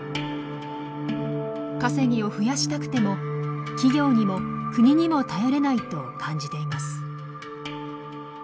稼ぎを増やしたくても企業にも国にも頼れないと感じています。